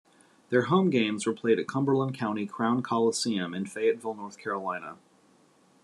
Their home games were played at Cumberland County Crown Coliseum in Fayetteville, North Carolina.